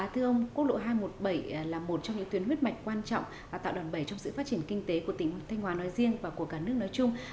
thưa ông quốc lộ hai trăm một mươi bảy là một trong những tuyến huyết mạch quan trọng tạo đòn bẩy trong sự phát triển kinh tế của tỉnh thanh hóa nói riêng và của cả nước nói chung